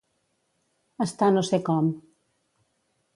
Estar no sé com.